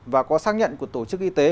và có xác nhận của tổ chức y tế